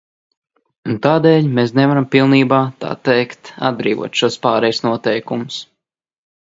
Un tādēļ mēs nevaram pilnībā, tā teikt, atbrīvot šos pārejas noteikumus.